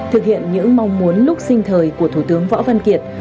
thực hiện những mong muốn lúc sinh thời của thủ tướng võ văn kiệt